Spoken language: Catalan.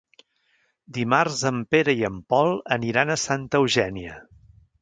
Dimarts en Pere i en Pol aniran a Santa Eugènia.